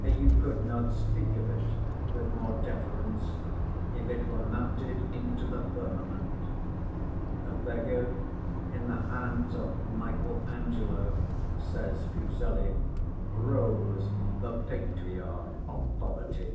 You could not speak of it with more deference, if it were mounted into the firmament. A beggar in the hands of Michael Angelo, says Fuseli, rose the Patriarch of Poverty.